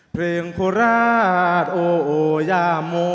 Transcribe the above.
เพลงโคราชโอยาโม